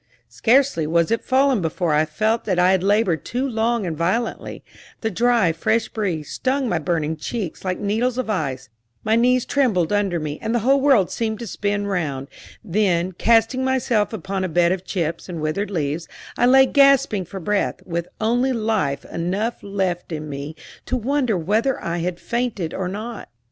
Scarcely was it fallen before I felt that I had labored too long and violently: the dry, fresh breeze stung my burning cheeks like needles of ice, my knees trembled under me, and the whole world seemed to spin round; then, casting myself upon a bed of chips and withered leaves, I lay gasping for breath, with only life enough left in me to wonder whether I had fainted or not.